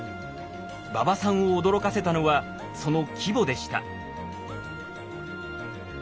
馬場さんを驚かせたのはその規模でした。